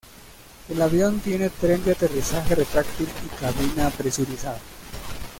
El avión tiene tren de aterrizaje retráctil y cabina presurizada.